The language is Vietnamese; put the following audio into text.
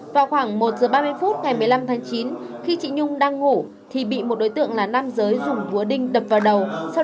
vào khoảng một giờ ba mươi phút ngày một mươi năm tháng chín khi chị nhung đang ngủ thì bị một đối tượng là nam giới dùng búa đinh đập vào đầu